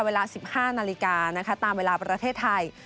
เวลา๑๕นาฬิกานะคะตามเวลาประเทศไทย